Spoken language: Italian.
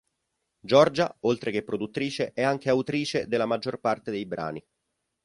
Giorgia, oltre che produttrice, è anche autrice della maggior parte dei brani.